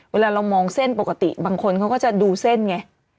เวลาเรามองเส้นปกติบางคนเขาก็จะดูเส้นไง